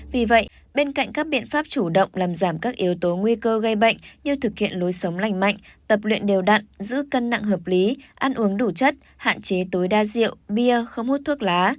vì vậy bên cạnh các biện pháp chủ động làm giảm các yếu tố nguy cơ gây bệnh như thực hiện lối sống lành mạnh tập luyện đều đặn giữ cân nặng hợp lý ăn uống đủ chất hạn chế tối đa rượu bia không hút thuốc lá